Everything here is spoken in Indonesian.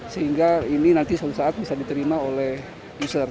sehingga ini nanti suatu saat bisa diterima oleh user